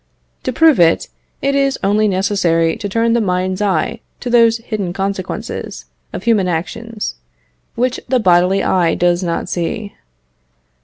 To prove it, it is only necessary to turn the mind's eye to those hidden consequences of human actions, which the bodily eye does not see.